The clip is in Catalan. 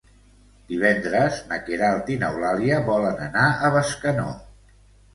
Divendres na Queralt i n'Eulàlia volen anar a Bescanó.